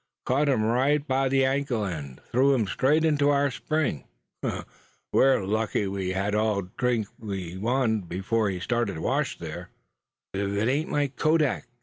Caught him right by the ankle, and threw him straight into our spring. Lucky we'd had all the drink we wanted before he started to wash there!" "Why, blessed if it ain't my kodak!"